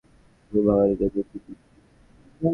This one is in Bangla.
ঘুম ভাঙানোর জন্য দুঃখিত, প্রিয়ে।